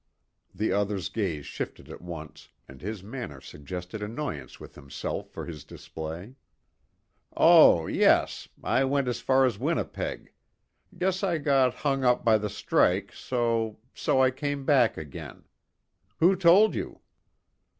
The other's gaze shifted at once, and his manner suggested annoyance with himself for his display. "Oh, yes. I went as far as Winnipeg. Guess I got hung up by the strike, so so I came back again. Who told you?"